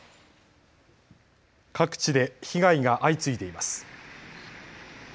各地で被害が相次いでいます。